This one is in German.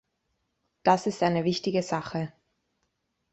Das ist eine wichtige Sache.